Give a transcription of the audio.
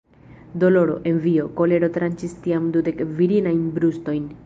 Doloro, envio, kolero tranĉis tiam dudek virinajn brustojn.